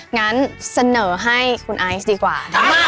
งั้นเสนอให้คุณไอซ์ดีกว่า